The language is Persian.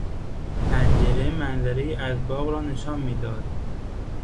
پنجره منظرهای از باغ را نشان میداد.